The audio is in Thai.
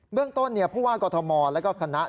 เบื้องต้นผู้ว่ากฎธมรณ์และคณะ